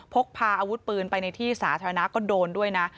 พกพาอาวุธปืนไปในที่สาธารณะก็โดนด้วยนะ